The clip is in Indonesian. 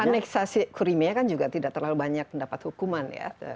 aneksasi curimia kan juga tidak terlalu banyak mendapat hukuman ya